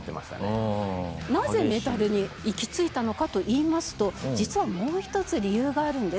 なぜメタルに行き着いたのかといいますと実はもう一つ理由があるんです。